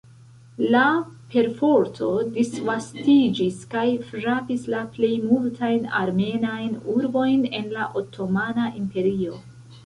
La perforto disvastiĝis kaj frapis la plej multajn armenajn urbojn en la Otomana Imperio.